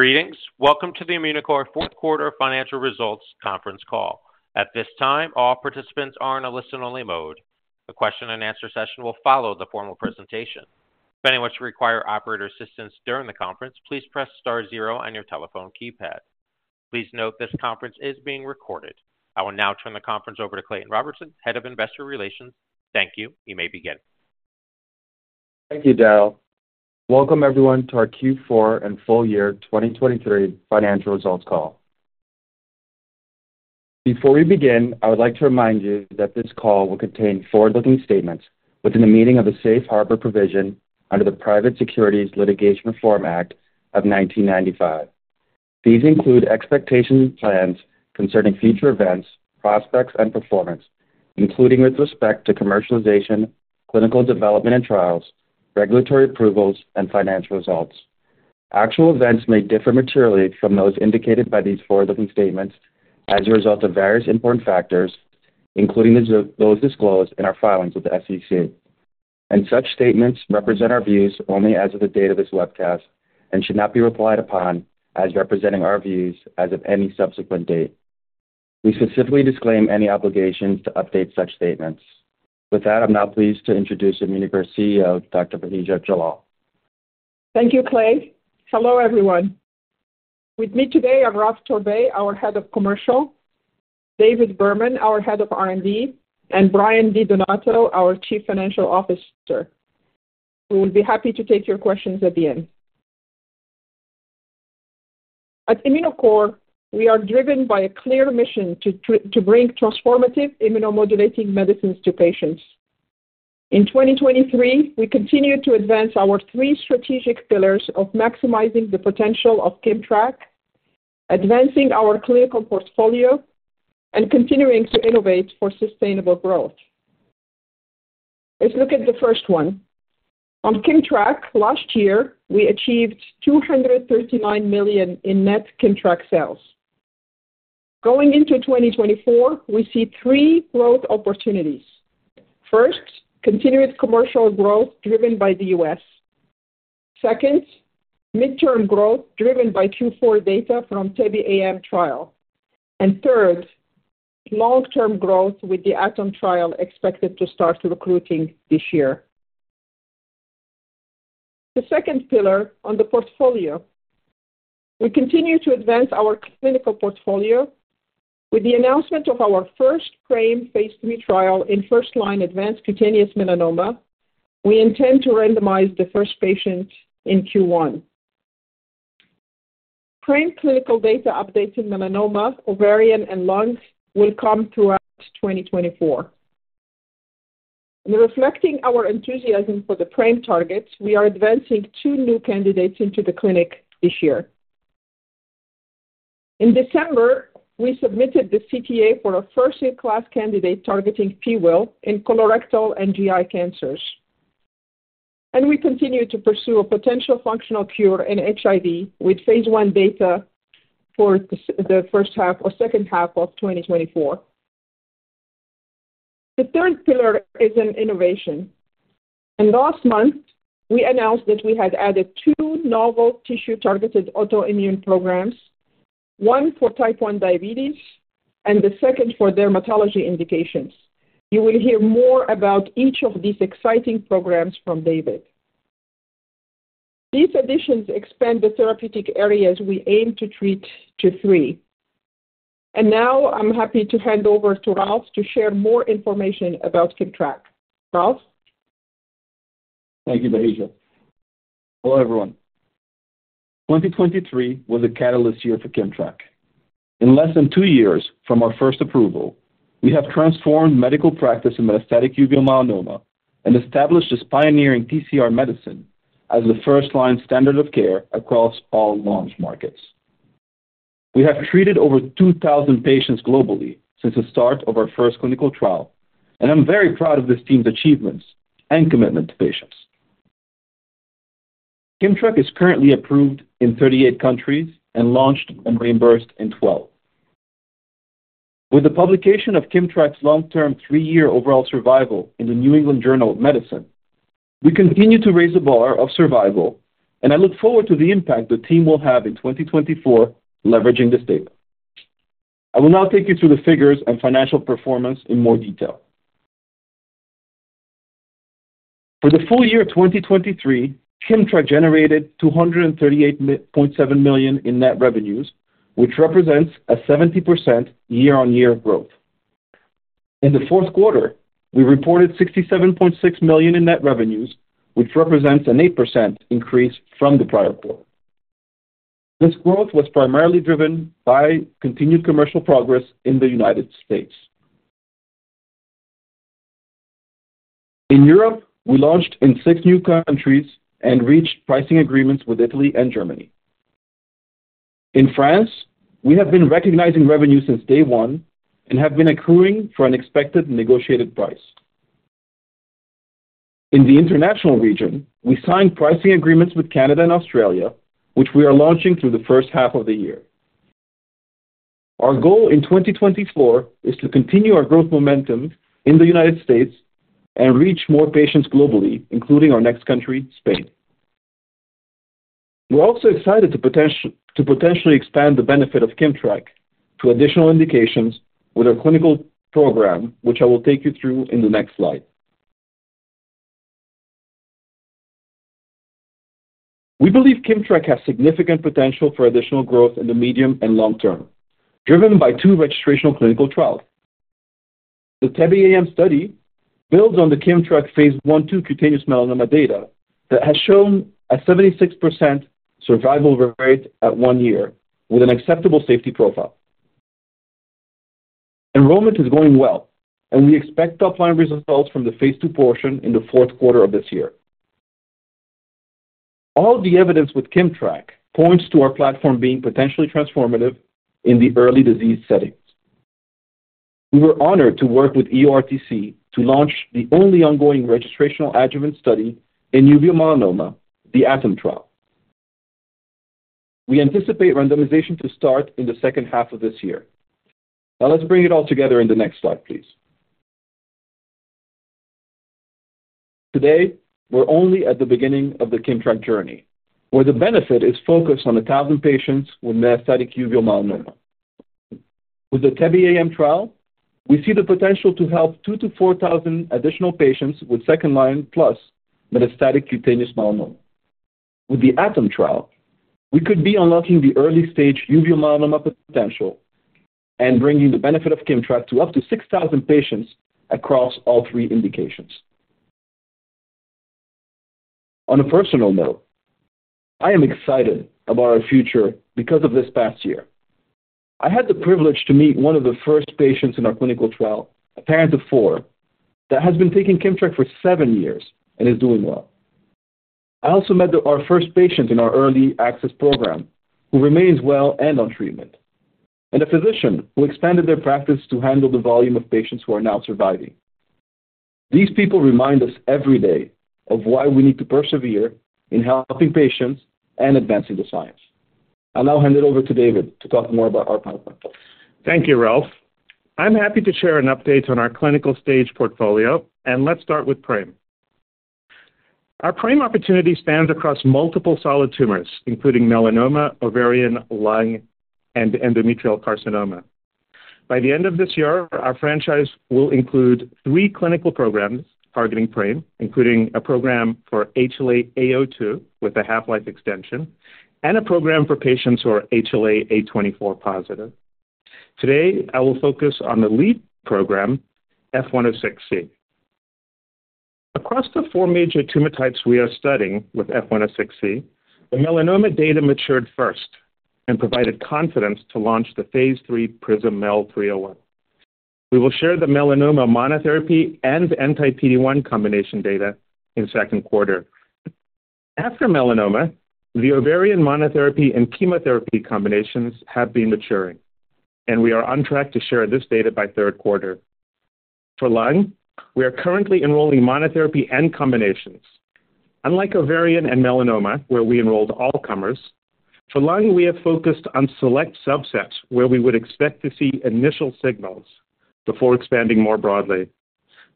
Greetings. Welcome to the Immunocore fourth quarter financial results conference call. At this time, all participants are in a listen-only mode. A question-and-answer session will follow the formal presentation. If anyone should require operator assistance during the conference, please press star zero on your telephone keypad. Please note this conference is being recorded. I will now turn the conference over to Clayton Robertson, Head of Investor Relations. Thank you. You may begin. Thank you, Darrell. Welcome, everyone, to our Q4 and full year 2023 financial results call. Before we begin, I would like to remind you that this call will contain forward-looking statements within the meaning of the Safe Harbor Provision under the Private Securities Litigation Reform Act of 1995. These include expectations and plans concerning future events, prospects, and performance, including with respect to commercialization, clinical development and trials, regulatory approvals, and financial results. Actual events may differ materially from those indicated by these forward-looking statements as a result of various important factors, including those disclosed in our filings with the SEC. Such statements represent our views only as of the date of this webcast and should not be relied upon as representing our views as of any subsequent date. We specifically disclaim any obligations to update such statements. With that, I'm now pleased to introduce Immunocore CEO, Dr.Bahija Jallal. Thank you, Clay. Hello, everyone. With me today are Ralph Torbay, our Head of Commercial; David Berman, our head of R&D; and Brian Di Donato, our Chief Financial Officer. We will be happy to take your questions at the end. At Immunocore, we are driven by a clear mission to bring transformative immunomodulating medicines to patients. In 2023, we continue to advance our three strategic pillars of maximizing the potential of KIMMTRAK, advancing our clinical portfolio, and continuing to innovate for sustainable growth. Let's look at the first one. On KIMMTRAK, last year, we achieved $239 million in net KIMMTRAK sales. Going into 2024, we see three growth opportunities. First, continued commercial growth driven by the U.S. Second, midterm growth driven by Q4 data from TEBE-AM trial. Third, long-term growth with the ATOM trial expected to start recruiting this year. The second pillar on the portfolio: we continue to advance our clinical portfolio. With the announcement of our first PRAME phase III trial in first-line advanced cutaneous melanoma, we intend to randomize the first patient in Q1. PRAME clinical data updating melanoma, ovarian, and lung will come throughout 2024. Reflecting our enthusiasm for the PRAME targets, we are advancing two new candidates into the clinic this year. In December, we submitted the CTA for a first-in-class candidate targeting PIWIL in colorectal and GI cancers. We continue to pursue a potential functional cure in HIV with phase I data for the first half or second half of 2024. The third pillar is in innovation. Last month, we announced that we had added two novel tissue-targeted autoimmune programs, one for Type 1 diabetes and the second for dermatology indications. You will hear more about each of these exciting programs from David. These additions expand the therapeutic areas we aim to treat to three. Now I'm happy to hand over to Ralph to share more information about KIMMTRAK. Ralph? Thank you, Bahija. Hello, everyone. 2023 was a catalyst year for KIMMTRAK. In less than two years from our first approval, we have transformed medical practice in metastatic uveal melanoma and established as pioneering TCR medicine as the first-line standard of care across all launch markets. We have treated over 2,000 patients globally since the start of our first clinical trial, and I'm very proud of this team's achievements and commitment to patients. KIMMTRAK is currently approved in 38 countries and launched and reimbursed in 12. With the publication of KIMMTRAK's long-term three-year overall survival in the New England Journal of Medicine, we continue to raise the bar of survival, and I look forward to the impact the team will have in 2024 leveraging this data. I will now take you through the figures and financial performance in more detail. For the full year 2023, KIMMTRAK generated $238.7 million in net revenues, which represents a 70% year-on-year growth. In the fourth quarter, we reported $67.6 million in net revenues, which represents an 8% increase from the prior quarter. This growth was primarily driven by continued commercial progress in the United States. In Europe, we launched in six new countries and reached pricing agreements with Italy and Germany. In France, we have been recognizing revenue since day one and have been accruing for an expected negotiated price. In the international region, we signed pricing agreements with Canada and Australia, which we are launching through the first half of the year. Our goal in 2024 is to continue our growth momentum in the United States and reach more patients globally, including our next country, Spain. We're also excited to potentially expand the benefit of KIMMTRAK to additional indications with our clinical program, which I will take you through in the next slide. We believe KIMMTRAK has significant potential for additional growth in the medium and long term, driven by two registration clinical trials. The TEBE-AM study builds on the KIMMTRAK phase I/II cutaneous melanoma data that has shown a 76% survival rate at one year with an acceptable safety profile. Enrollment is going well, and we expect top-line results from the phase II portion in the fourth quarter of this year. All the evidence with KIMMTRAK points to our platform being potentially transformative in the early disease settings. We were honored to work with EORTC to launch the only ongoing registration adjuvant study in uveal melanoma, the ATOM trial. We anticipate randomization to start in the second half of this year. Now let's bring it all together in the next slide, please. Today, we're only at the beginning of the KIMMTRAK journey, where the benefit is focused on 1,000 patients with metastatic uveal melanoma. With the TEBE-AM trial, we see the potential to help 2,000-4,000 additional patients with second-line plus metastatic cutaneous melanoma. With the ATOM trial, we could be unlocking the early-stage uveal melanoma potential and bringing the benefit of KIMMTRAK to up to 6,000 patients across all three indications. On a personal note, I am excited about our future because of this past year. I had the privilege to meet one of the first patients in our clinical trial, a parent of four, that has been taking KIMMTRAK for seven years and is doing well. I also met our first patient in our early access program, who remains well and on treatment, and a physician who expanded their practice to handle the volume of patients who are now surviving. These people remind us every day of why we need to persevere in helping patients and advancing the science. I'll now hand it over to David to talk more about our platform. Thank you, Ralph. I'm happy to share an update on our clinical stage portfolio, and let's start with PRAME. Our PRAME opportunity spans across multiple solid tumors, including melanoma, ovarian, lung, and endometrial carcinoma. By the end of this year, our franchise will include three clinical programs targeting PRAME, including a program for HLA-A*02 with a half-life extension and a program for patients who are HLA-A24 positive. Today, I will focus on the leap program, F106C. Across the four major tumor types we are studying with F106C, the melanoma data matured first and provided confidence to launch the phase III PRISM-MEL301. We will share the melanoma monotherapy and anti-PD-1 combination data in second quarter. After melanoma, the ovarian monotherapy and chemotherapy combinations have been maturing, and we are on track to share this data by third quarter. For lung, we are currently enrolling monotherapy and combinations. Unlike ovarian and melanoma, where we enrolled all-comers, for lung we have focused on select subsets where we would expect to see initial signals before expanding more broadly.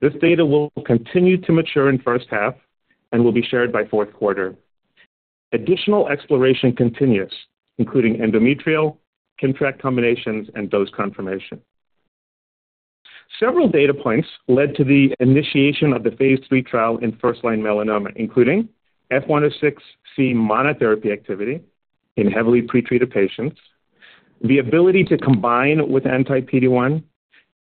This data will continue to mature in first half and will be shared by fourth quarter. Additional exploration continues, including endometrial, KIMMTRAK combinations, and dose confirmation. Several data points led to the initiation of the phase III trial in first-line melanoma, including F106C monotherapy activity in heavily pretreated patients, the ability to combine with anti-PD-1,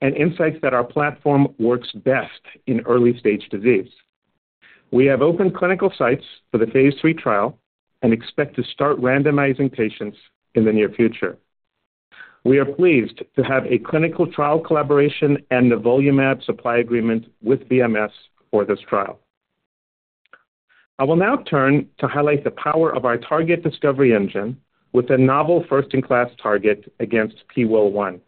and insights that our platform works best in early-stage disease. We have open clinical sites for the phase III trial and expect to start randomizing patients in the near future. We are pleased to have a clinical trial collaboration and nivolumab supply agreement with BMS for this trial. I will now turn to highlight the power of our target discovery engine with a novel first-in-class target against PIWIL1.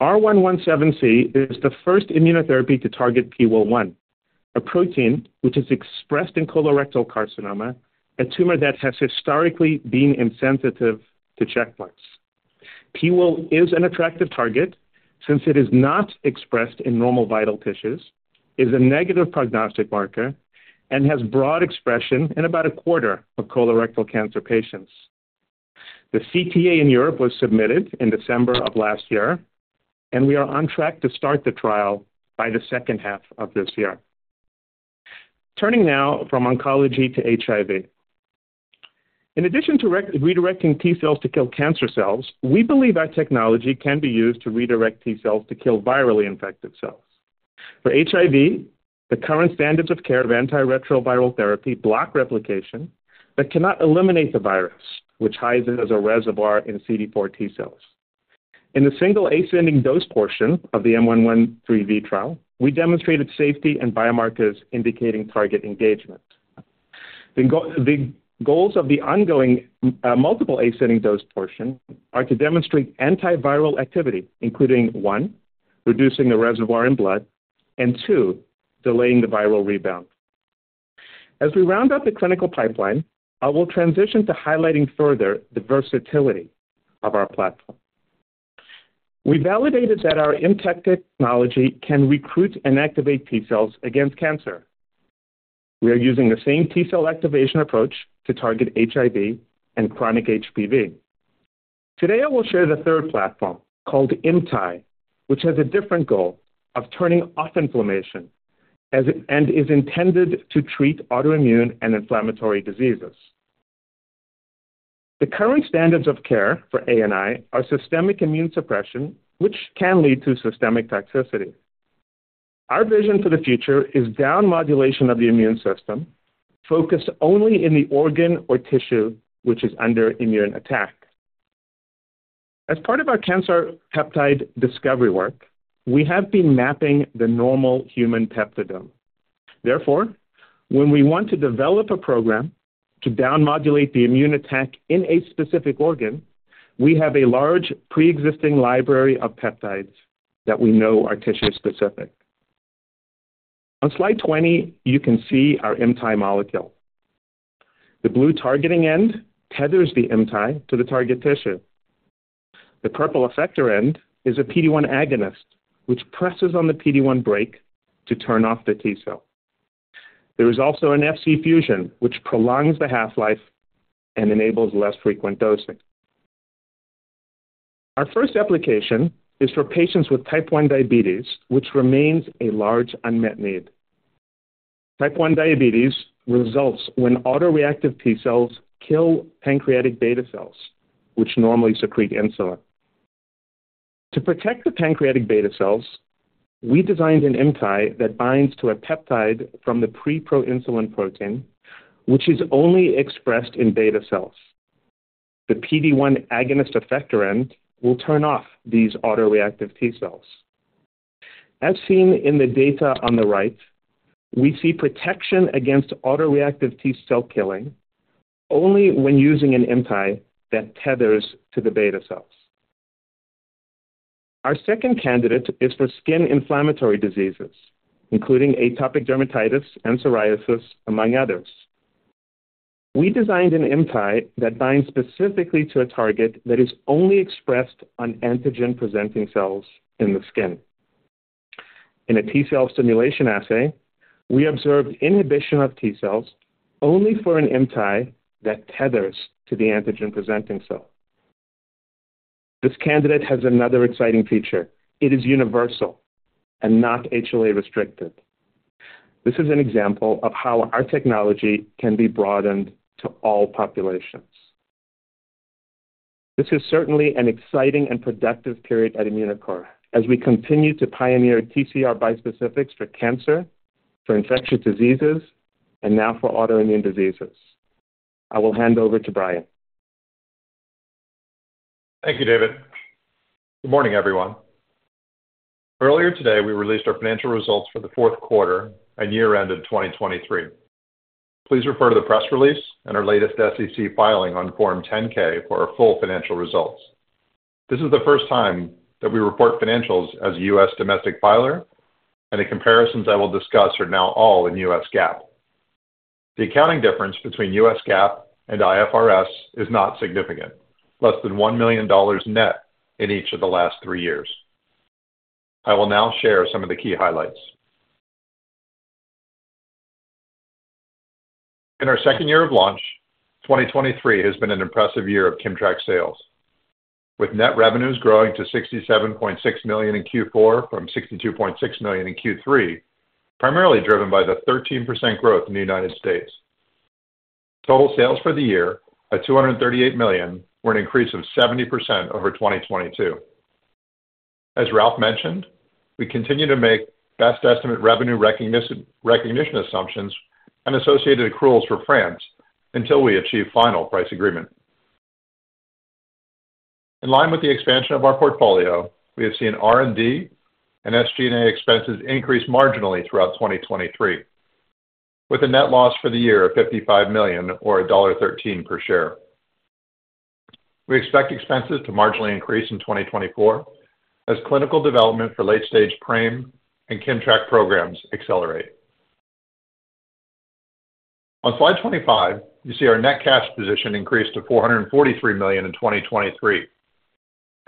R117C is the first immunotherapy to target PIWIL1, a protein which is expressed in colorectal carcinoma, a tumor that has historically been insensitive to checkpoints. PIWIL is an attractive target since it is not expressed in normal vital tissues, is a negative prognostic marker, and has broad expression in about a quarter of colorectal cancer patients. The CTA in Europe was submitted in December of last year, and we are on track to start the trial by the second half of this year. Turning now from oncology to HIV. In addition to redirecting T cells to kill cancer cells, we believe our technology can be used to redirect T cells to kill virally infected cells. For HIV, the current standards of care of antiretroviral therapy block replication but cannot eliminate the virus, which hides it as a reservoir in CD4 T cells. In the single ascending dose portion of the M113V trial, we demonstrated safety and biomarkers indicating target engagement. The goals of the ongoing multiple ascending dose portion are to demonstrate antiviral activity, including one, reducing the reservoir in blood, and two, delaying the viral rebound. As we round out the clinical pipeline, I will transition to highlighting further the versatility of our platform. We validated that our ImmTAC technology can recruit and activate T cells against cancer. We are using the same T-cell activation approach to target HIV and chronic HPV. Today, I will share the third platform called ImmTAAI, which has a different goal of turning off inflammation and is intended to treat autoimmune and inflammatory diseases. The current standards of care for ANI are systemic immune suppression, which can lead to systemic toxicity. Our vision for the future is down-modulation of the immune system, focused only in the organ or tissue which is under immune attack. As part of our cancer peptide discovery work, we have been mapping the normal human peptidome. Therefore, when we want to develop a program to down-modulate the immune attack in a specific organ, we have a large pre-existing library of peptides that we know are tissue-specific. On slide 20, you can see our ImmTAAI molecule. The blue targeting end tethers the ImmTAAI to the target tissue. The purple effector end is a PD-1 agonist, which presses on the PD-1 brake to turn off the T cell. There is also an Fc fusion, which prolongs the half-life and enables less frequent dosing. Our first application is for patients with Type 1 diabetes, which remains a large unmet need. Type 1 diabetes results when autoreactive T cells kill pancreatic beta cells, which normally secrete insulin. To protect the pancreatic beta cells, we designed an ImmTAAI that binds to a peptide from the preproinsulin protein, which is only expressed in beta cells. The PD-1 agonist effector end will turn off these autoreactive T cells. As seen in the data on the right, we see protection against autoreactive T cell killing only when using an ImmTAAI that tethers to the beta cells. Our second candidate is for skin inflammatory diseases, including atopic dermatitis and psoriasis, among others. We designed an ImmTAAI that binds specifically to a target that is only expressed on antigen-presenting cells in the skin. In a T-cell stimulation assay, we observed inhibition of T cells only for an ImmTAAI that tethers to the antigen-presenting cell. This candidate has another exciting feature: it is universal and not HLA-restricted. This is an example of how our technology can be broadened to all populations. This is certainly an exciting and productive period at Immunocore as we continue to pioneer TCR bispecifics for cancer, for infectious diseases, and now for autoimmune diseases. I will hand over to Brian. Thank you, David. Good morning, everyone. Earlier today, we released our financial results for the fourth quarter and year-end in 2023. Please refer to the press release and our latest SEC filing on Form 10-K for our full financial results. This is the first time that we report financials as a U.S. domestic filer, and the comparisons I will discuss are now all in U.S. GAAP. The accounting difference between U.S. GAAP and IFRS is not significant, less than $1 million net in each of the last three years. I will now share some of the key highlights. In our second year of launch, 2023 has been an impressive year of KIMMTRAK sales, with net revenues growing to $67.6 million in Q4 from $62.6 million in Q3, primarily driven by the 13% growth in the United States. Total sales for the year, at $238 million, were an increase of 70% over 2022. As Ralph mentioned, we continue to make best estimate revenue recognition assumptions and associated accruals for France until we achieve final price agreement. In line with the expansion of our portfolio, we have seen R&D and SG&A expenses increase marginally throughout 2023, with a net loss for the year of $55 million or $1.13 per share. We expect expenses to marginally increase in 2024 as clinical development for late-stage PRAME and KIMMTRAK programs accelerate. On slide 25, you see our net cash position increased to $443 million in 2023.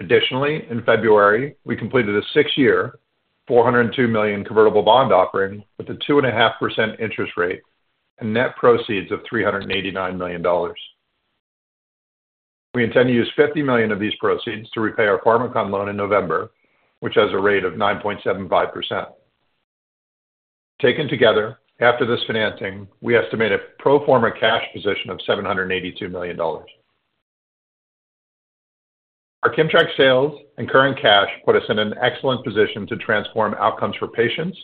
Additionally, in February, we completed a six-year, $402 million convertible bond offering with a 2.5% interest rate and net proceeds of $389 million. We intend to use $50 million of these proceeds to repay our Pharmakon loan in November, which has a rate of 9.75%. Taken together, after this financing, we estimate a pro forma cash position of $782 million. Our KIMMTRAK sales and current cash put us in an excellent position to transform outcomes for patients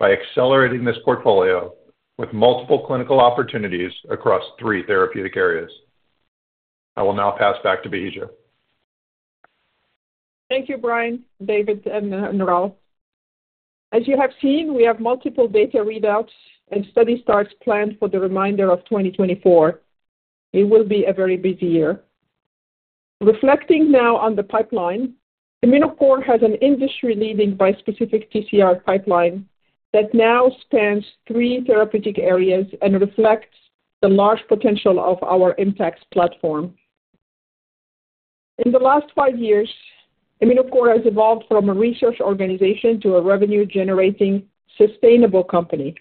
by accelerating this portfolio with multiple clinical opportunities across three therapeutic areas. I will now pass back to Bahija. Thank you, Brian, David, and Ralph. As you have seen, we have multiple data readouts and study starts planned for the remainder of 2024. It will be a very busy year. Reflecting now on the pipeline, Immunocore has an industry-leading bispecific TCR pipeline that now spans three therapeutic areas and reflects the large potential of our ImmTACs platform. In the last five years, Immunocore has evolved from a research organization to a revenue-generating, sustainable company.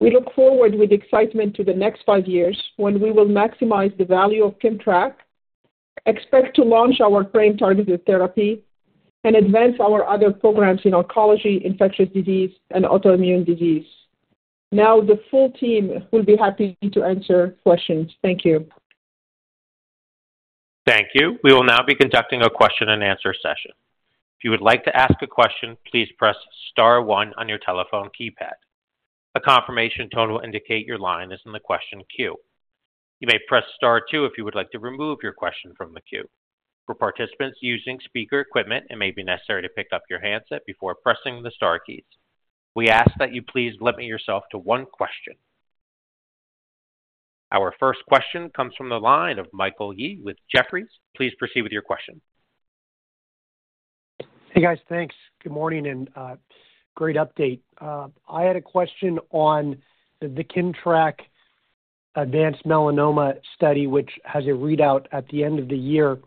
We look forward with excitement to the next five years when we will maximize the value of KIMMTRAK, expect to launch our PRAME targeted therapy, and advance our other programs in oncology, infectious disease, and autoimmune disease. Now, the full team will be happy to answer questions. Thank you. Thank you. We will now be conducting a question-and-answer session. If you would like to ask a question, please press star one on your telephone keypad. A confirmation tone will indicate your line is in the question queue. You may press star two if you would like to remove your question from the queue. For participants using speaker equipment, it may be necessary to pick up your handset before pressing the star keys. We ask that you please limit yourself to one question. Our first question comes from the line of Michael Yee with Jefferies. Please proceed with your question. Hey guys, thanks. Good morning and great update. I had a question on the KIMMTRAK advanced melanoma study, which has a readout at the end of the year,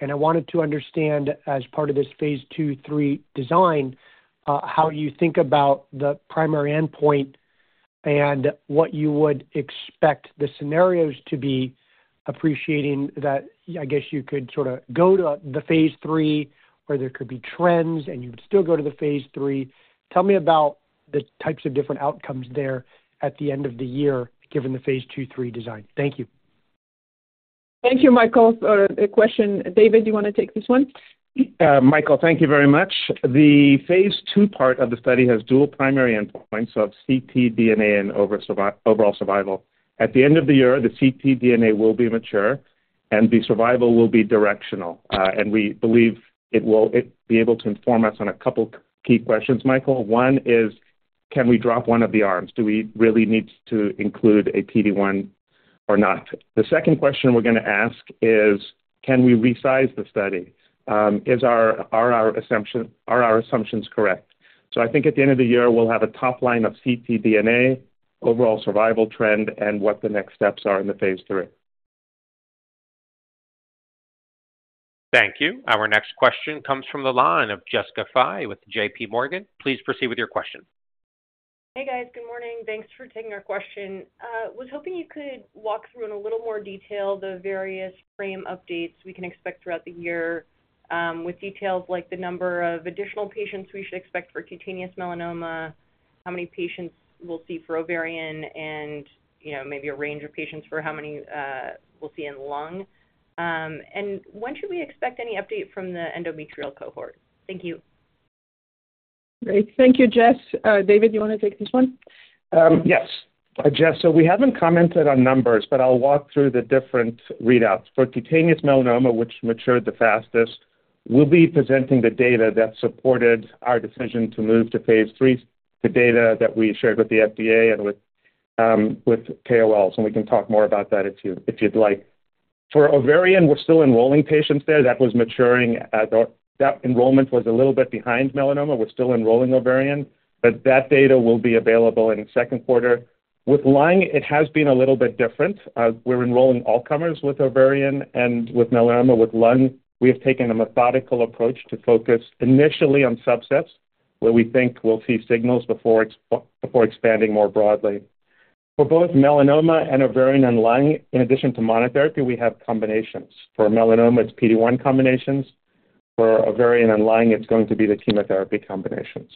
and I wanted to understand, as part of this phase II/III design, how you think about the primary endpoint and what you would expect the scenarios to be, appreciating that I guess you could sort of go to the phase III where there could be trends and you would still go to the phase III. Tell me about the types of different outcomes there at the end of the year given the phase II/III design. Thank you. Thank you, Michael, for the question. David, do you want to take this one? Michael, thank you very much. The phase II part of the study has dual primary endpoints of ctDNA and overall survival. At the end of the year, the ctDNA will be mature and the survival will be directional, and we believe it will be able to inform us on a couple key questions, Michael. One is, can we drop one of the arms? Do we really need to include a PD-1 or not? The second question we're going to ask is, can we resize the study? Are our assumptions correct? I think at the end of the year, we'll have a top line of ctDNA, overall survival trend, and what the next steps are in the phase III. Thank you. Our next question comes from the line of Jessica Fye with JPMorgan. Please proceed with your question. Hey guys, good morning. Thanks for taking our question. I was hoping you could walk through in a little more detail the various PRAME updates we can expect throughout the year with details like the number of additional patients we should expect for cutaneous melanoma, how many patients we'll see for ovarian, and maybe a range of patients for how many we'll see in lung. When should we expect any update from the endometrial cohort? Thank you. Great. Thank you, Jess. David, do you want to take this one? Yes. Jess, so we haven't commented on numbers, but I'll walk through the different readouts. For cutaneous melanoma, which matured the fastest, we'll be presenting the data that supported our decision to move to phase III, the data that we shared with the FDA and with KOLs, and we can talk more about that if you'd like. For ovarian, we're still enrolling patients there. That enrollment was a little bit behind melanoma. We're still enrolling ovarian, but that data will be available in the second quarter. With lung, it has been a little bit different. We're enrolling all-comers with ovarian and with melanoma. With lung, we have taken a methodical approach to focus initially on subsets where we think we'll see signals before expanding more broadly. For both melanoma and ovarian and lung, in addition to monotherapy, we have combinations. For melanoma, it's PD-1 combinations. For ovarian and lung, it's going to be the chemotherapy combinations.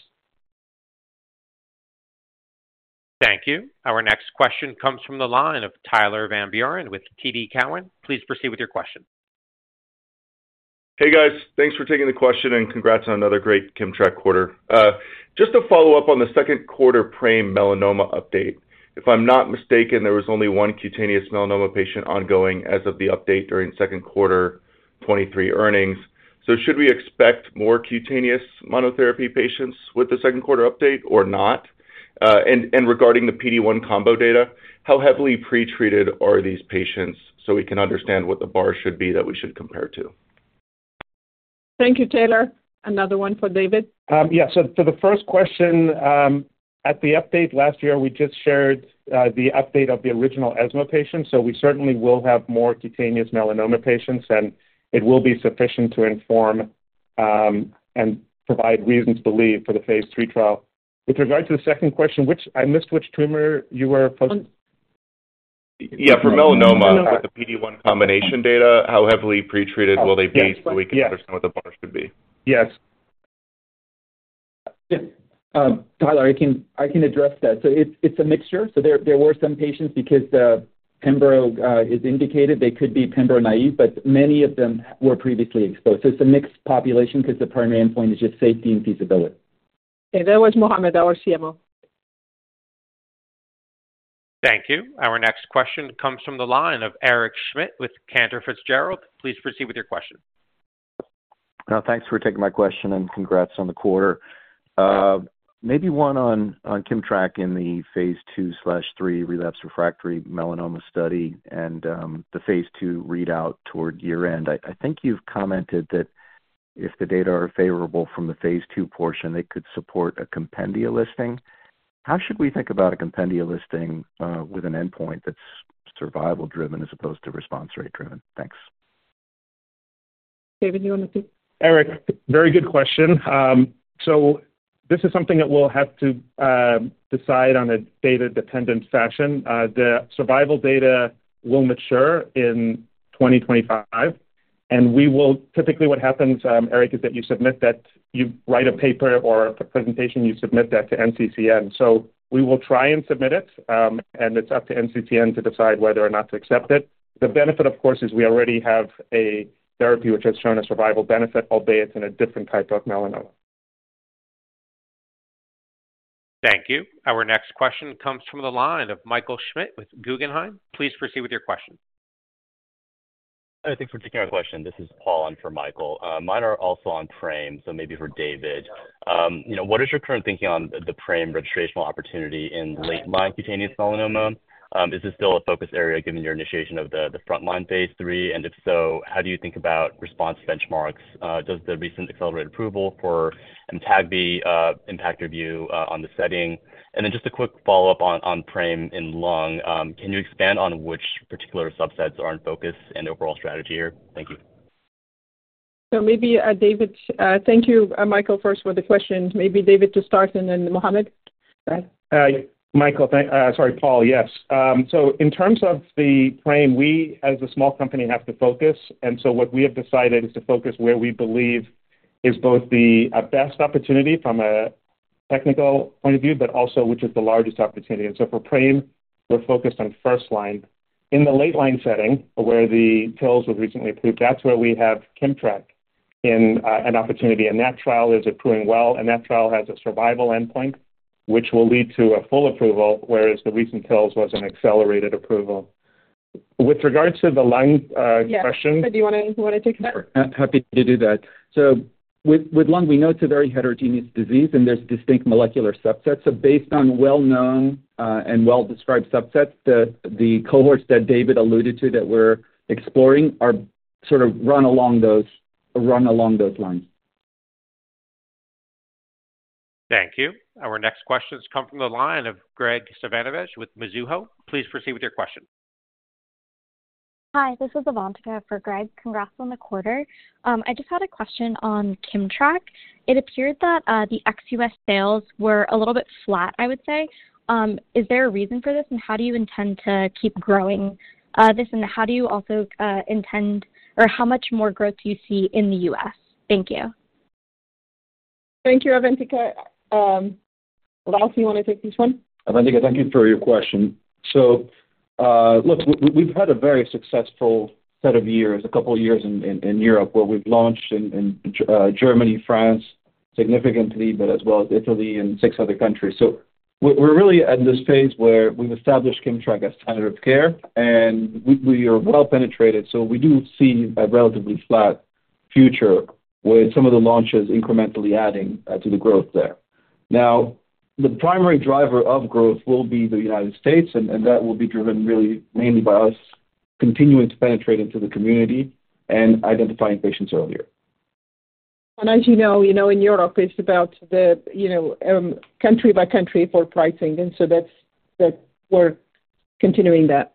Thank you. Our next question comes from the line of Tyler Van Buren with TD Cowen. Please proceed with your question. Hey guys, thanks for taking the question and congrats on another great KIMMTRAK quarter. Just to follow up on the second quarter PRAME melanoma update, if I'm not mistaken, there was only one cutaneous melanoma patient ongoing as of the update during second quarter 2023 earnings. So should we expect more cutaneous monotherapy patients with the second quarter update or not? And regarding the PD-1 combo data, how heavily pretreated are these patients so we can understand what the bar should be that we should compare to? Thank you, Taylor. Another one for David? Yeah. So for the first question, at the update last year, we just shared the update of the original IMC patients, so we certainly will have more cutaneous melanoma patients, and it will be sufficient to inform and provide reason to believe for the phase III trial. With regard to the second question, which I missed which tumor you were asking. Yeah, for melanoma with the PD-1 combination data, how heavily pretreated will they be so we can understand what the bar should be? Yes. Yes. Tyler, I can address that. It's a mixture. There were some patients because the pembro is indicated, they could be pembro naïve, but many of them were previously exposed. It's a mixed population because the primary endpoint is just safety and feasibility. Okay. That was Mohammed, our CMO. Thank you. Our next question comes from the line of Eric Schmidt with Cantor Fitzgerald. Please proceed with your question. Thanks for taking my question and congrats on the quarter. Maybe one on KIMMTRAK in the phase II/III relapse refractory melanoma study and the phase II readout toward year-end. I think you've commented that if the data are favorable from the phase II portion, they could support a compendia listing. How should we think about a compendia listing with an endpoint that's survival-driven as opposed to response rate-driven? Thanks. David, do you want to speak? Eric, very good question. So this is something that we'll have to decide on a data-dependent fashion. The survival data will mature in 2025, and we will typically, what happens, Eric, is that you submit that you write a paper or a presentation, you submit that to NCCN. So we will try and submit it, and it's up to NCCN to decide whether or not to accept it. The benefit, of course, is we already have a therapy which has shown a survival benefit, albeit in a different type of melanoma. Thank you. Our next question comes from the line of Michael Schmidt with Guggenheim. Please proceed with your question. Thanks for taking our question. This is Paul, and for Michael, mine are also on PRAME, so maybe for David. What is your current thinking on the PRAME registration opportunity in late-line cutaneous melanoma? Is this still a focus area given your initiation of the frontline phase III? And if so, how do you think about response benchmarks? Does the recent accelerated approval for AMTAGVI impact review on the setting? And then just a quick follow-up on PRAME in lung, can you expand on which particular subsets are in focus and overall strategy here? Thank you. Maybe, David, thank you, Michael, first for the question. Maybe David to start, and then Mohammed. Michael, sorry, Paul, yes. So in terms of the PRAME, we as a small company have to focus. And so what we have decided is to focus where we believe is both the best opportunity from a technical point of view, but also which is the largest opportunity. And so for PRAME, we're focused on first-line. In the late-line setting, where the TILs was recently approved, that's where we have KIMMTRAK in an opportunity. And that trial is accruing well, and that trial has a survival endpoint which will lead to a full approval, whereas the recent TILs was an accelerated approval. With regards to the lung question. Yeah. Do you want to take that? Happy to do that. So with lung, we note it's a very heterogeneous disease, and there's distinct molecular subsets. So based on well-known and well-described subsets, the cohorts that David alluded to that we're exploring sort of run along those lines. Thank you. Our next questions come from the line of Graig Suvannavejh with Mizuho. Please proceed with your question. Hi, this is Avantika for Greg. Congrats on the quarter. I just had a question on KIMMTRAK. It appeared that the ex-US sales were a little bit flat, I would say. Is there a reason for this, and how do you intend to keep growing this? And how do you also intend or how much more growth do you see in the US? Thank you. Thank you, Avantika. Ralph, do you want to take this one? Avantika, thank you for your question. So look, we've had a very successful set of years, a couple of years in Europe where we've launched in Germany, France significantly, but as well as Italy and 6 other countries. So we're really at this phase where we've established KIMMTRAK as standard of care, and we are well-penetrated. So we do see a relatively flat future with some of the launches incrementally adding to the growth there. Now, the primary driver of growth will be the United States, and that will be driven really mainly by us continuing to penetrate into the community and identifying patients earlier. As you know, in Europe, it's about country by country for pricing. So we're continuing that.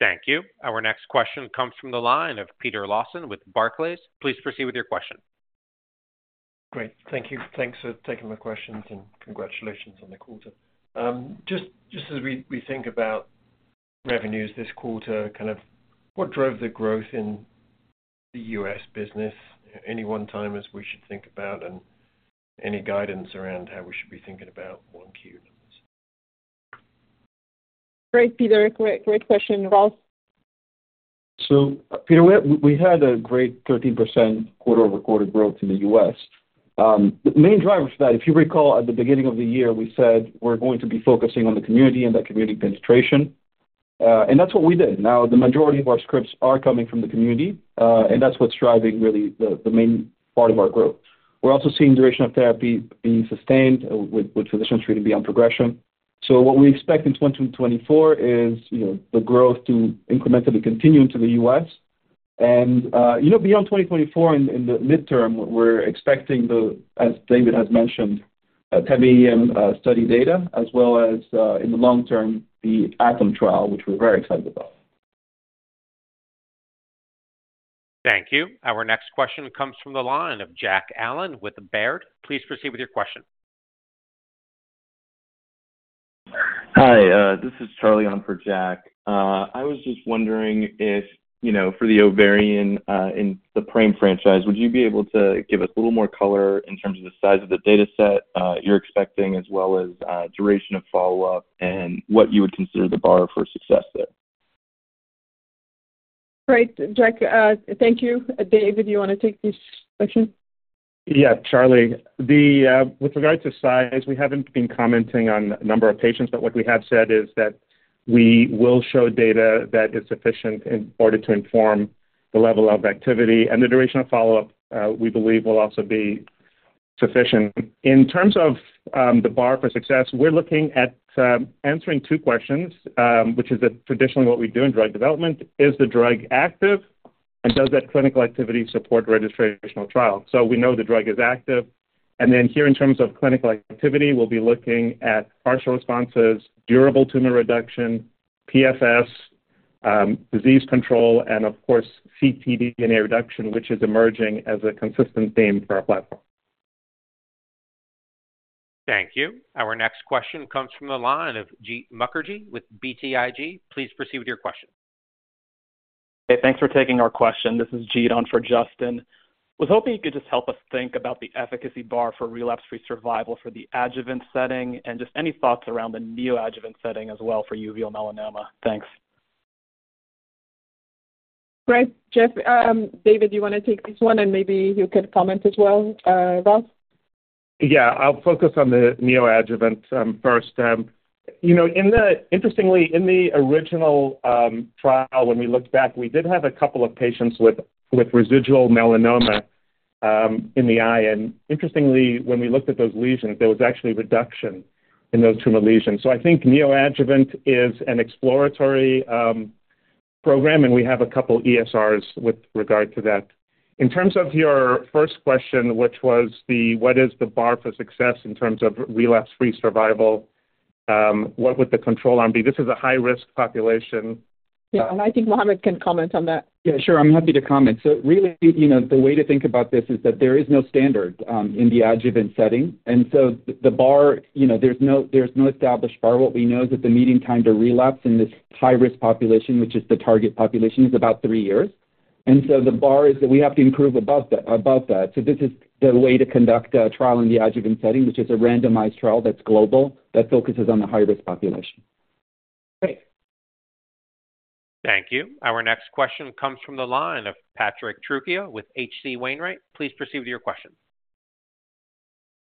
Thank you. Our next question comes from the line of Peter Lawson with Barclays. Please proceed with your question. Great. Thank you. Thanks for taking my questions and congratulations on the quarter. Just as we think about revenues this quarter, kind of what drove the growth in the U.S. business at any one time as we should think about, and any guidance around how we should be thinking about Q1 numbers? Great, Peter. Great question. Ralph? So Peter, we had a great 13% quarter-over-quarter growth in the U.S. The main driver for that, if you recall, at the beginning of the year, we said we're going to be focusing on the community and that community penetration. And that's what we did. Now, the majority of our scripts are coming from the community, and that's what's driving really the main part of our growth. We're also seeing duration of therapy being sustained with physicians treating beyond progression. So what we expect in 2024 is the growth to incrementally continue into the U.S. And beyond 2024, in the midterm, we're expecting, as David has mentioned, TEBE-AM study data, as well as in the long term, the ATOM trial, which we're very excited about. Thank you. Our next question comes from the line of Jack Allen with Baird. Please proceed with your question. Hi. This is Charlie on for Jack. I was just wondering if for the ovarian in the PRAME franchise, would you be able to give us a little more color in terms of the size of the dataset you're expecting, as well as duration of follow-up, and what you would consider the bar for success there? Great. Jack, thank you. David, do you want to take this question? Yeah, Charlie. With regard to size, we haven't been commenting on the number of patients, but what we have said is that we will show data that is sufficient in order to inform the level of activity. The duration of follow-up, we believe, will also be sufficient. In terms of the bar for success, we're looking at answering two questions, which is traditionally what we do in drug development. Is the drug active, and does that clinical activity support registration or trial? We know the drug is active. Then here, in terms of clinical activity, we'll be looking at partial responses, durable tumor reduction, PFS, disease control, and of course, ctDNA reduction, which is emerging as a consistent theme for our platform. Thank you. Our next question comes from the line of Jeet Mukherjee with BTIG. Please proceed with your question. Hey, thanks for taking our question. This is Jeet on for Justin. I was hoping you could just help us think about the efficacy bar for relapse-free survival for the adjuvant setting and just any thoughts around the neoadjuvant setting as well for uveal melanoma? Thanks. Great. Jeff, David, do you want to take this one, and maybe you could comment as well? Ralph? Yeah. I'll focus on the neoadjuvant first. Interestingly, in the original trial, when we looked back, we did have a couple of patients with residual melanoma in the eye. And interestingly, when we looked at those lesions, there was actually reduction in those tumor lesions. So I think neoadjuvant is an exploratory program, and we have a couple of ESRs with regard to that. In terms of your first question, which was the what is the bar for success in terms of relapse-free survival? What would the control arm be? This is a high-risk population. Yeah. I think Mohammed can comment on that. Yeah, sure. I'm happy to comment. So really, the way to think about this is that there is no standard in the adjuvant setting. And so the bar, there's no established bar. What we know is that the meeting time to relapse in this high-risk population, which is the target population, is about 3 years. And so the bar is that we have to improve above that. So this is the way to conduct a trial in the adjuvant setting, which is a randomized trial that's global that focuses on the high-risk population. Great. Thank you. Our next question comes from the line of Patrick Trucchio with H.C. Wainwright. Please proceed with your question.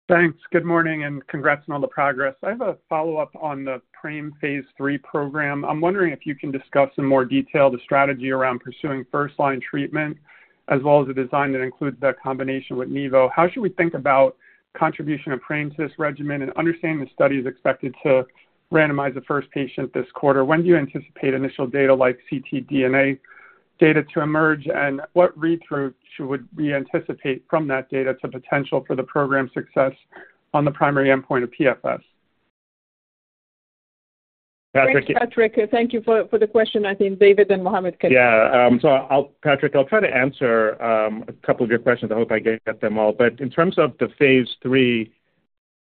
Thanks. Good morning and congrats on all the progress. I have a follow-up on the PRAME phase III program. I'm wondering if you can discuss in more detail the strategy around pursuing first-line treatment, as well as a design that includes that combination with nivo. How should we think about contribution of PRAME to this regimen and understanding the study is expected to randomize the first patient this quarter? When do you anticipate initial data like ctDNA data to emerge, and what read-through should we anticipate from that data to potential for the program's success on the primary endpoint of PFS? Patrick. Great, Patrick. Thank you for the question. I think David and Mohammed can answer. Yeah. So Patrick, I'll try to answer a couple of your questions. I hope I get them all. But in terms of the phase III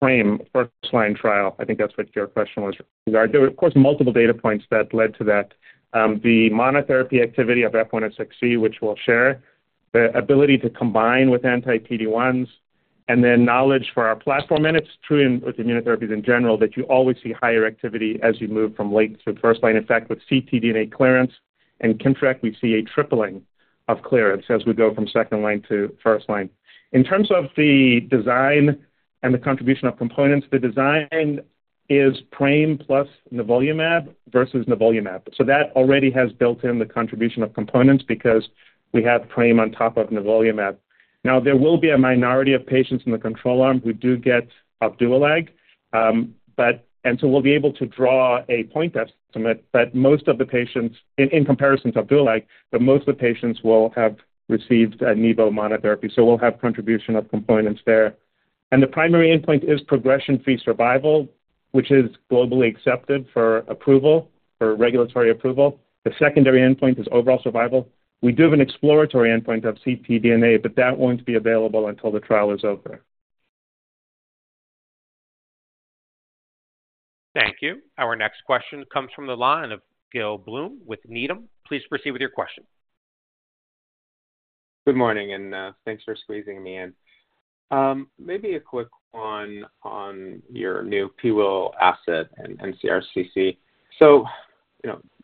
PRAME first-line trial, I think that's what your question was regarding. There were, of course, multiple data points that led to that. The monotherapy activity of IMC-F106C, which we'll share, the ability to combine with anti-PD-1s, and then knowledge for our platform, and it's true with immunotherapies in general that you always see higher activity as you move from late through first-line. In fact, with ctDNA clearance and KIMMTRAK, we see a tripling of clearance as we go from second-line to first-line. In terms of the design and the contribution of components, the design is PRAME plus nivolumab versus nivolumab. So that already has built-in the contribution of components because we have PRAME on top of nivolumab. Now, there will be a minority of patients in the control arm who do get Opdualag, and so we'll be able to draw a point estimate. But most of the patients, in comparison to Opdualag, but most of the patients will have received nivo monotherapy. So we'll have contribution of components there. And the primary endpoint is progression-free survival, which is globally accepted for approval, for regulatory approval. The secondary endpoint is overall survival. We do have an exploratory endpoint of ctDNA, but that won't be available until the trial is over. Thank you. Our next question comes from the line of Gil Blum with Needham. Please proceed with your question. Good morning, and thanks for squeezing me in. Maybe a quick one on your new PWIL asset and CRCC. So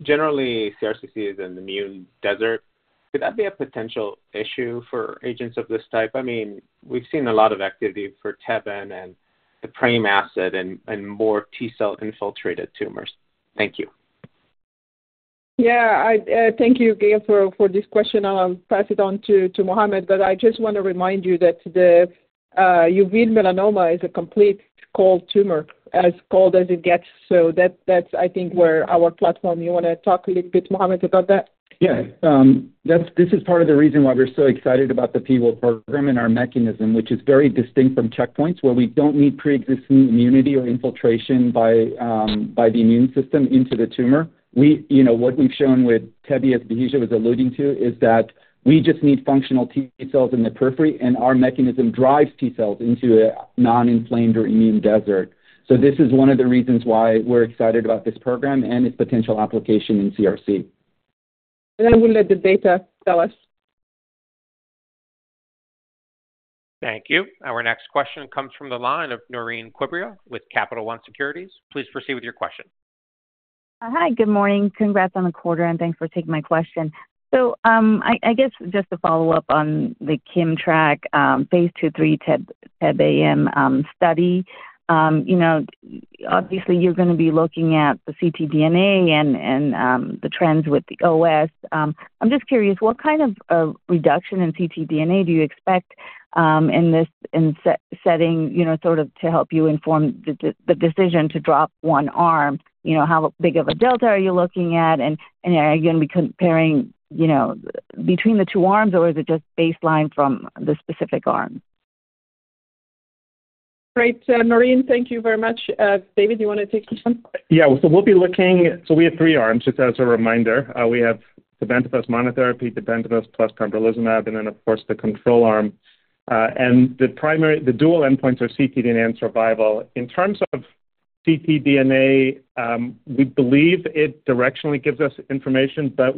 generally, CRCC is an immune desert. Could that be a potential issue for agents of this type? I mean, we've seen a lot of activity for TEBE-AM and the PRAME asset and more T-cell infiltrated tumors. Thank you. Yeah. Thank you, Gil, for this question. I'll pass it on to Mohammed, but I just want to remind you that the uveal melanoma is a complete cold tumor, as cold as it gets. So that's, I think, where our platform you want to talk a little bit, Mohammed, about that? Yeah. This is part of the reason why we're so excited about the PWIL program and our mechanism, which is very distinct from checkpoints where we don't need pre-existing immunity or infiltration by the immune system into the tumor. What we've shown with TEBE as Bahija was alluding to is that we just need functional T cells in the periphery, and our mechanism drives T cells into a non-inflamed or immune desert. So this is one of the reasons why we're excited about this program and its potential application in CRC. I will let the data tell us. Thank you. Our next question comes from the line of Naureen Quibria with Capital One Securities. Please proceed with your question. Hi. Good morning. Congrats on the quarter, and thanks for taking my question. I guess just to follow up on the KIMMTRAK phase II/III TEBE-AM study, obviously, you're going to be looking at the ctDNA and the trends with the OS. I'm just curious, what kind of reduction in ctDNA do you expect in this setting sort of to help you inform the decision to drop one arm? How big of a delta are you looking at? And again, are we comparing between the two arms, or is it just baseline from the specific arm? Great. Noreen, thank you very much. David, do you want to take this one? Yeah. So we'll be looking so we have three arms, just as a reminder. We have tebentafusp monotherapy, tebentafusp plus pembrolizumab, and then, of course, the control arm. And the dual endpoints are ctDNA and survival. In terms of ctDNA, we believe it directionally gives us information, but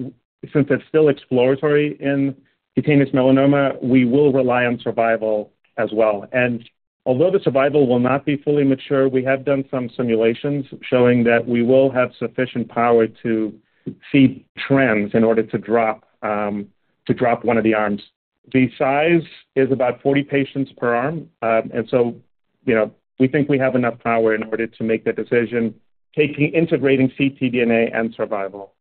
since it's still exploratory in cutaneous melanoma, we will rely on survival as well. And although the survival will not be fully mature, we have done some simulations showing that we will have sufficient power to see trends in order to drop one of the arms. The size is about 40 patients per arm. And so we think we have enough power in order to make the decision integrating ctDNA and survival.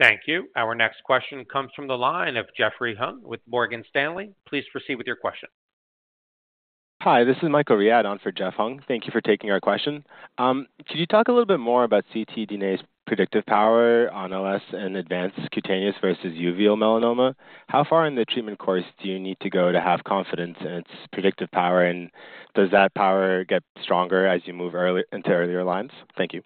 Thank you. Our next question comes from the line of Jeffrey Hung with Morgan Stanley. Please proceed with your question. Hi. This is Michael Riad on for Jeff Hung. Thank you for taking our question. Could you talk a little bit more about ctDNA's predictive power on OS and advanced cutaneous versus uveal melanoma? How far in the treatment course do you need to go to have confidence in its predictive power, and does that power get stronger as you move into earlier lines? Thank you.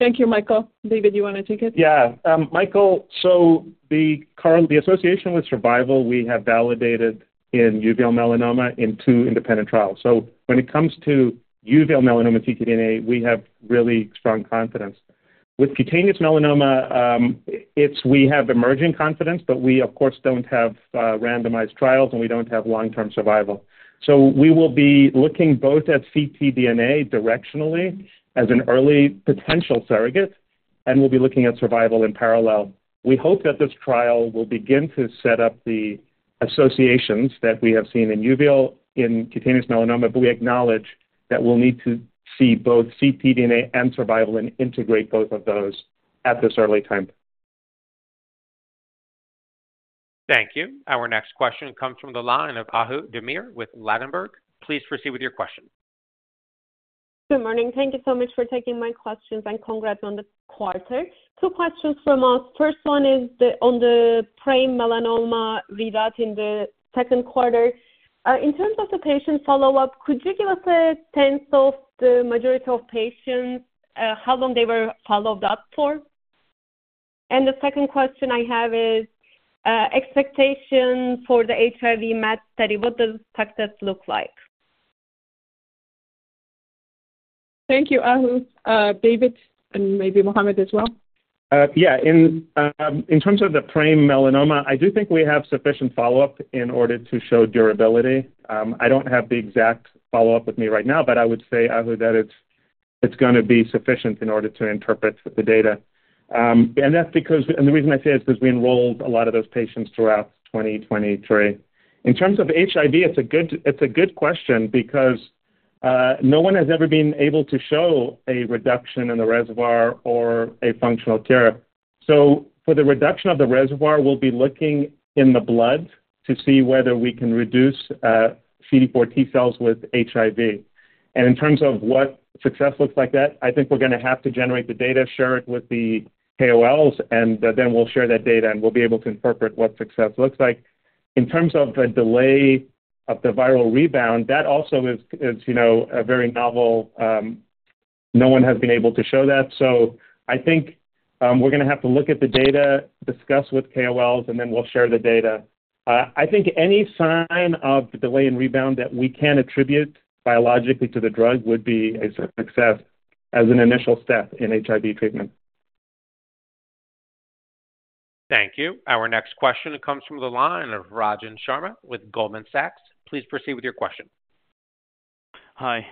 Thank you, Michael. David, do you want to take it? Yeah. Michael, so the association with survival, we have validated in uveal melanoma in two independent trials. So when it comes to uveal melanoma ctDNA, we have really strong confidence. With cutaneous melanoma, we have emerging confidence, but we, of course, don't have randomized trials, and we don't have long-term survival. So we will be looking both at ctDNA directionally as an early potential surrogate, and we'll be looking at survival in parallel. We hope that this trial will begin to set up the associations that we have seen in uveal in cutaneous melanoma, but we acknowledge that we'll need to see both ctDNA and survival and integrate both of those at this early time. Thank you. Our next question comes from the line of Ahu Demir with Ladenburg. Please proceed with your question. Good morning. Thank you so much for taking my questions, and congrats on the quarter. Two questions from us. First one is on the PRAME melanoma readout in the second quarter. In terms of the patient follow-up, could you give us a sense of the majority of patients, how long they were followed up for? And the second question I have is expectations for the HIV med study. What does the success look like? Thank you, Ahu. David and maybe Mohammed as well? Yeah. In terms of the PRAME melanoma, I do think we have sufficient follow-up in order to show durability. I don't have the exact follow-up with me right now, but I would say, Ahu, that it's going to be sufficient in order to interpret the data. And the reason I say that is because we enrolled a lot of those patients throughout 2023. In terms of HIV, it's a good question because no one has ever been able to show a reduction in the reservoir or a functional cure. So for the reduction of the reservoir, we'll be looking in the blood to see whether we can reduce CD4 T cells with HIV. In terms of what success looks like that, I think we're going to have to generate the data, share it with the KOLs, and then we'll share that data, and we'll be able to interpret what success looks like. In terms of the delay of the viral rebound, that also is a very novel. No one has been able to show that. So I think we're going to have to look at the data, discuss with KOLs, and then we'll share the data. I think any sign of delay in rebound that we can attribute biologically to the drug would be a success as an initial step in HIV treatment. Thank you. Our next question comes from the line of Rajan Sharma with Goldman Sachs. Please proceed with your question. Hi.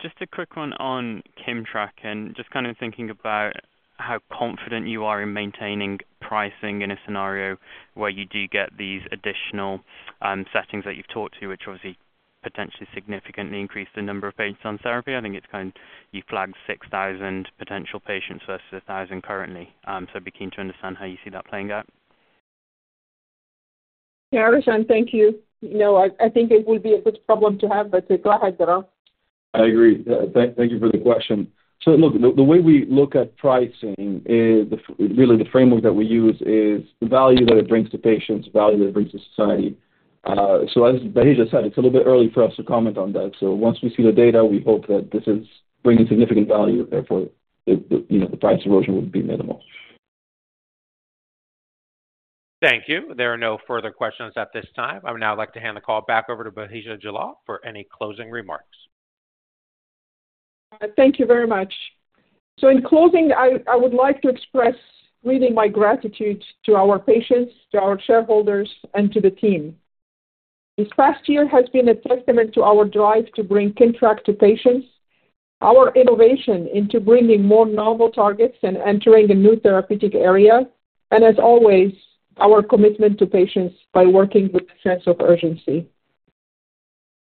Just a quick one on KIMMTRAK and just kind of thinking about how confident you are in maintaining pricing in a scenario where you do get these additional settings that you've talked to, which obviously potentially significantly increase the number of patients on therapy. I think it's kind of you flagged 6,000 potential patients versus 1,000 currently. So I'd be keen to understand how you see that playing out. Yeah, Rajan, thank you. I think it will be a good problem to have, but go ahead, Ralph. I agree. Thank you for the question. So look, the way we look at pricing, really, the framework that we use is the value that it brings to patients, value that it brings to society. So as Bahija said, it's a little bit early for us to comment on that. So once we see the data, we hope that this is bringing significant value. Therefore, the price erosion would be minimal. Thank you. There are no further questions at this time. I would now like to hand the call back over to Bahija Jallal for any closing remarks. Thank you very much. So in closing, I would like to express really my gratitude to our patients, to our shareholders, and to the team. This past year has been a testament to our drive to bring KIMMTRAK to patients, our innovation into bringing more novel targets and entering a new therapeutic area, and as always, our commitment to patients by working with a sense of urgency.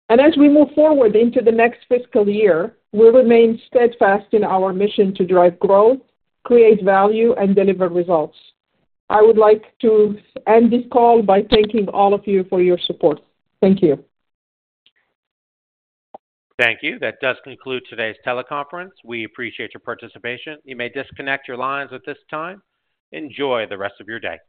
And as we move forward into the next fiscal year, we remain steadfast in our mission to drive growth, create value, and deliver results. I would like to end this call by thanking all of you for your support. Thank you. Thank you. That does conclude today's teleconference. We appreciate your participation. You may disconnect your lines at this time. Enjoy the rest of your day.